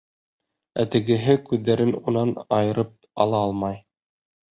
Ә тегеһе күҙҙәрен унан айырып ала алмай.